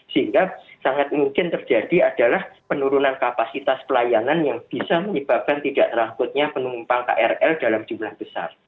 sehingga sangat mungkin terjadi adalah penurunan kapasitas pelayanan yang bisa menyebabkan tidak terangkutnya penumpang krl dalam jumlah besar